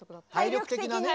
体力的なね。